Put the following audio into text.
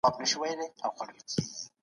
تقليد بايد په ړندو سترګو ونسي.